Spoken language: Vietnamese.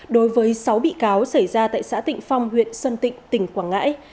đối với sáu bị cáo xảy ra tại xã tịnh phong huyện sơn tịnh tỉnh quảng ngãi